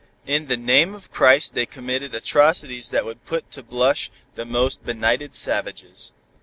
In the name of Christ they committed atrocities that would put to blush the most benighted savages.